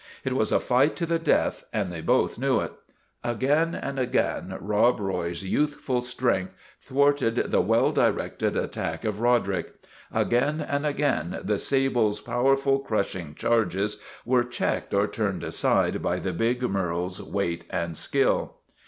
It was a fight to the death, and they both knew it. Again and again Rob Roy's youthful strength thwarted the well directed attack of Roderick. Again and again the sable's powerful, no JUSTICE AT VALLEY BROOK crushing charges were checked or turned aside by the big merle's weight and skill.